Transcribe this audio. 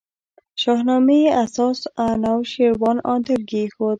شاهنامې اساس انوشېروان عادل کښېښود.